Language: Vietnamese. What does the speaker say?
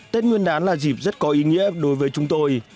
tết nguyên đán là dịp rất có ý nghĩa đối với chúng tôi